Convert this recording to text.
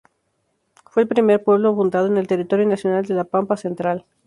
Fue el primer pueblo fundado en el Territorio Nacional de La Pampa Central.